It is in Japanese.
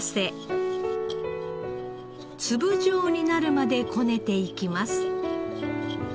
粒状になるまでこねていきます。